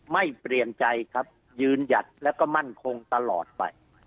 ไม่เปลี่ยนใจครับยืนหยัดแล้วก็มั่นคงตลอดไป